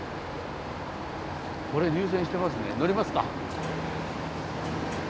これ入線してますね乗りますか。